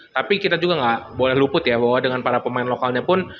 tapi kita juga nggak boleh luput ya bahwa dengan para pemain lokalnya pun